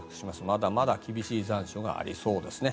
まだまだ厳しい残暑がありそうですね。